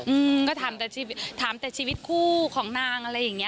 อืมก็ถามแต่ชีวิตคู่ของนางอะไรอย่างนี้